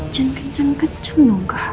jangan jangan cemlong kak